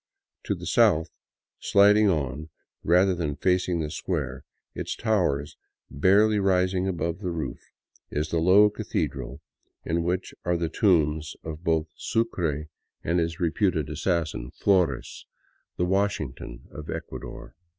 To the south, siding on, rather than facing the square, its towers barely rising above the roof. is the low cathedral, in which are the tombs both of Sucre and his 130 THE CITY OF THE EQUATOR reputed assassin, Flores, the '' Washington of Ecuador."